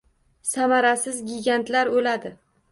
Samarasiz gigantlar o'ladi